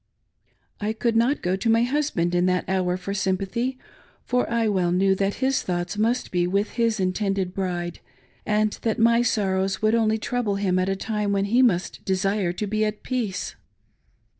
I could not go to my husband in that hour for sympathy ; for I well knew that his thoughts must be with his intended bride, aod that my sorrows would only trouble him at a time when he must desire to be at peace.